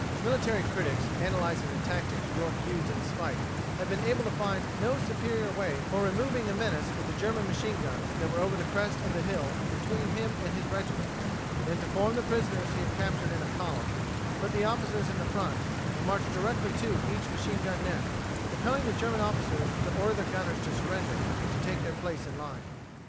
Military critics analyzing the tactics York used in this fight have been able to find no superior way for removing the menace of the German machine guns that were over the crest of the hill and between him and his regiment, than to form the prisoners he had captured in a column, put the officers in front and march directly to each machine gun nest, compelling the German officers to order the gunners to surrender and to take their place in line.